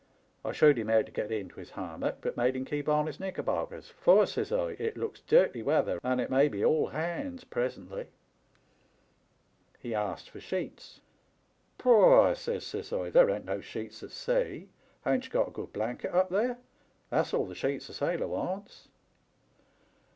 I showed him how to get into his ham mock, but made him keep on his knickerbockers, ' For,' says I, 'it looks dirty weather, and it may be "all hands " presently.' *'He asked for sheets. "' Pooh !' I says, says I, * there ain't no sheets at sea. Hain't ye got a good blanket up there? That's all the sheets a sailor wants.'